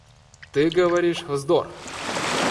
— Ты говоришь вздор.